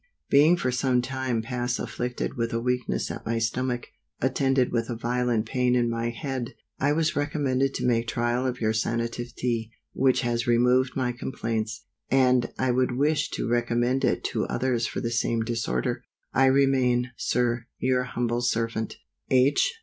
_ BEING for some time past afflicted with a weakness at my stomach, attended with a violent pain in my head, I was recommended to make trial of your Sanative Tea, which has removed my complaints, and I would wish to recommend it to others for the same disorder. I remain, Sir, your humble servant, H.